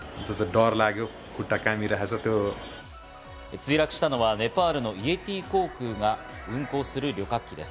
墜落したのはネパールのイエティ航空が運航する旅客機です。